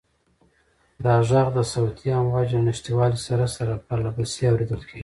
دا غږ د صوتي امواجو له نشتوالي سره سره پرله پسې اورېدل کېږي.